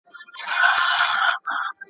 چي لګیا یې دي ملګري په غومبرو ,